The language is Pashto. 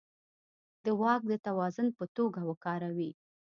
د واک د توازن په توګه وکاروي.